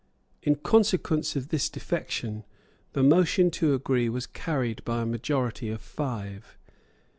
In consequence of this defection, the motion to agree was carried by a majority of five.